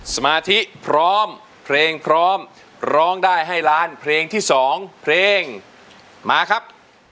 สมาธิพร้อมเพลงพร้อมร้องได้ให้ล้านเพลงที่๒เพลงมาครับ